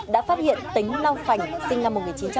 đã phát hiện tính lao phảnh sinh năm một nghìn chín trăm bảy mươi chín